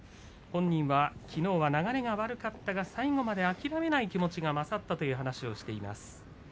本人はきのうは流れが悪かったが最後まで諦めない気持ちが勝ったという話をしています。